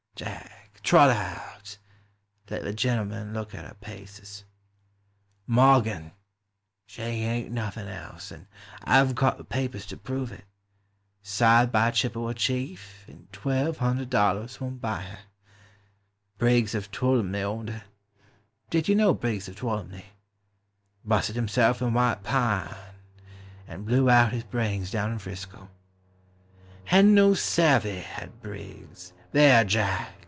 Jack, trot her out; let the gentle man look at her paces. Morgan !— She ain't nothin' else, and I 've got the papers to prove it. Sired by Chippewa Chief, and twelve hundred dol lars won't buy her. Briggs of Tuolumne owned her. Did you know Briggs of Tuolumne? — Busted hisself in White Pine, and blew out his brains down in 'Frisco. Hedn't no savey, — hed Briggs. Thar, Jack!